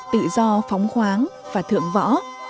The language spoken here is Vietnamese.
tự do phóng khoáng và thượng võ